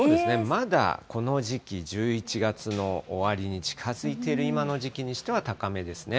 まだこの時期、１１月の終わりに近づいている今の時期にしては高めですね。